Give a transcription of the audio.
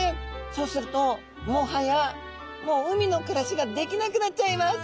そうするともはやもう海の暮らしができなくなっちゃいます。